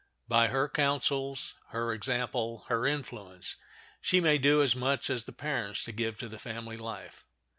By her counsels, her example, her influence, she may do as much as the parents to give to the family life.